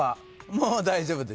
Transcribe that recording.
もう大丈夫ですよ。